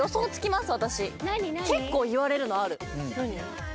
結構言われるのある。